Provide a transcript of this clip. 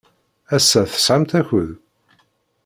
Ass-a, tesɛamt akud?